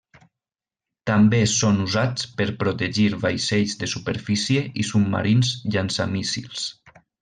També són usats per protegir vaixells de superfície i submarins llançamíssils.